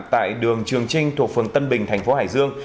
tại đường trường trinh thuộc phường tân bình thành phố hải dương